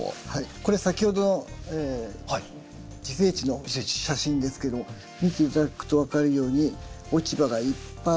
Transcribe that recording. これ先ほどの自生地の写真ですけど見て頂くと分かるように落ち葉がいっぱいあります。